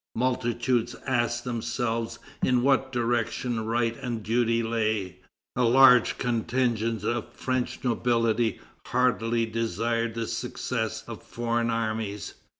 Multitudes asked themselves in what direction right and duty lay. A large contingent of the French nobility heartily desired the success of foreign armies.